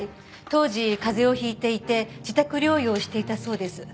当時風邪を引いていて自宅療養をしていたそうです。